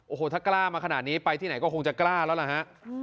โอ้โหถ้ากล้ามาขนาดนี้ไปที่ไหนก็คงจะกล้าแล้วล่ะฮะ